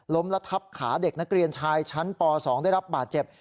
และทับขาเด็กนักเรียนชายชั้นป๒ได้รับบาดเจ็บ